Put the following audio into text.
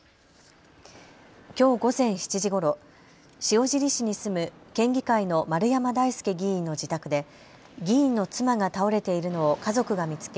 きょう午前７時ごろ、塩尻市に住む県議会の丸山大輔議員の自宅で議員の妻が倒れているのを家族が見つけ